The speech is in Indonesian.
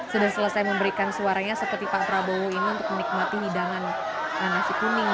sudah selesai memberikan suaranya seperti pak prabowo ini untuk menikmati hidangan nasi kuning